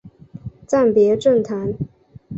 暂别政坛。